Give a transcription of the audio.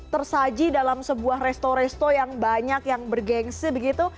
tersaji dalam sebuah resto resto yang banyak yang bergensi begitu